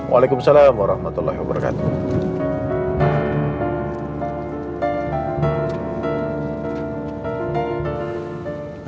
waalaikumsalam warahmatullahi wabarakatuh